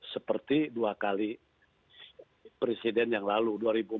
seperti dua kali presiden yang lalu dua ribu empat belas dua ribu sembilan belas